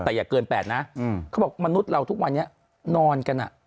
แต่อย่าเกิน๘นะเขาบอกมนุษย์เราทุกวันนี้นอนกัน